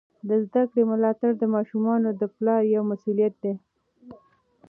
د زده کړې ملاتړ د ماشومانو د پلار یوه مسؤلیت ده.